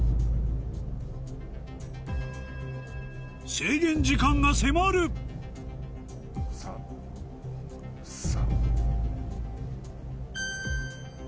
制限時間が迫るササ。